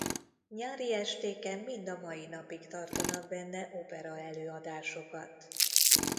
Nyári estéken mind a mai napig tartanak benne operaelőadásokat.